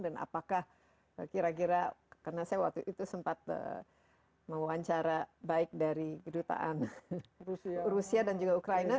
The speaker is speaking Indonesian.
dan apakah kira kira karena saya waktu itu sempat mewawancara baik dari gedutaan rusia dan juga ukraina